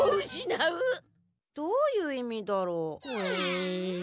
どういう意味だろう？ほえ。